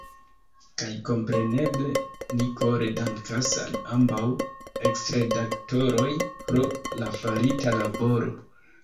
Kaj, kompreneble, ni kore dankas al ambaŭ eksredaktoroj pro la farita laboro.